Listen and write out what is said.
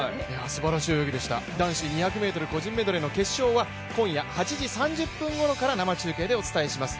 男子２００ｍ個人メドレーの決勝は、今夜８時３０分ごろから生中継でお伝えします。